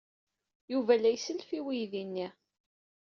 Yuba la isellef i weydi-nnes.